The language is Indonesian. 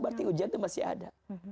berarti ujian itu masih ada